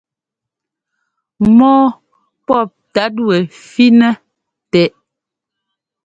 Mɔ́ɔ pɔ́p tát wɛ fí-nɛ tɛʼ.